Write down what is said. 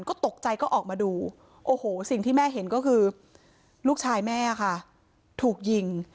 ก็ตกใจก็ออกมาดูโอ้โหสิ่งที่แม่เห็นก็คือลูกชายแม่ค่ะถูกยิง